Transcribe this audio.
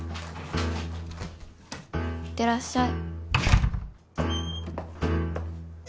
いってらっしゃい。